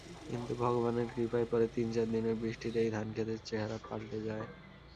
কিন্তু ভগবানের কৃপায় পরে তিন-চার দিনের বৃষ্টিতেই ধানখেতের চেহারা পাল্টে যায়।